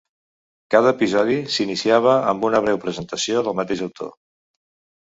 Cada episodi s'iniciava amb una breu presentació del mateix autor.